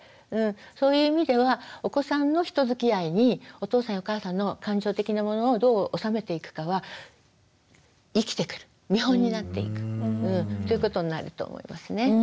そういう意味ではお子さんの人づきあいにお父さんやお母さんの感情的なものをどう収めていくかは生きてくる見本になっていくということになると思いますね。